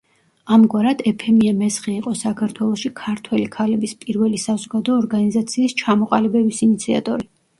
ამგვარად, ეფემია მესხი იყო საქართველოში ქართველი ქალების პირველი საზოგადო ორგანიზაციის ჩამოყალიბების ინიციატორი.